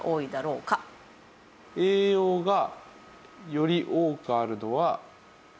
栄養がより多くあるのは。